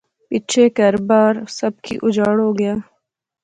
پچھے کہر بار، سب کی اُجاڑ ہو گیا